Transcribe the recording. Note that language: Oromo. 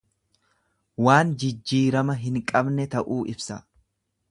Waan jijjiirama hin qabne ta'uu ibsa.